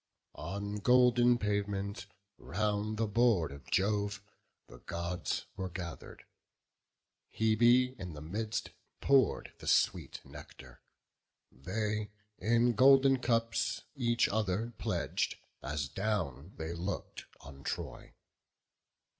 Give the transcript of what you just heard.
BOOK IV. On golden pavement, round the board of Jove, The Gods were gather'd; Hebe in the midst Pour'd the sweet nectar; they, in golden cups, Each other pledg'd, as down they look'd on Troy.